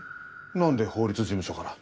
なんで法律事務所から？